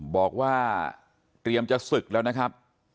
บอกว่าเตรียมจะศึกแล้วนะครับ